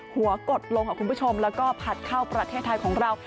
หัวกดลงและพัดเข้าประเทศไทยของเรา